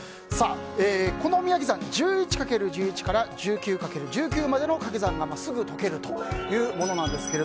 このおみやげ算１１×１１から１９×１９までの掛け算がすぐ解けるというものです。